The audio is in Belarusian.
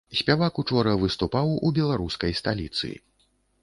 Спявак учора выступаў у беларускай сталіцы.